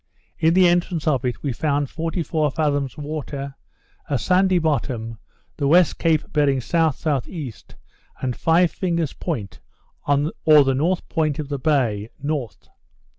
In the entrance of it, we found 44 fathoms water, a sandy bottom, the West Cape bearing S.S.E., and Five Fingers Point, or the north point of the bay, north.